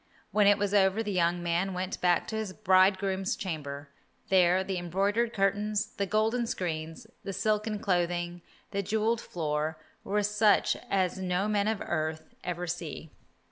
When it was over the young man went back to his bridegroom's chamber. There the embroidered curtains, the golden screens, the silken clothing, the jewelled floor, were such as no men of earth ever see.